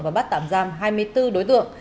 và bắt tạm giam hai mươi bốn đối tượng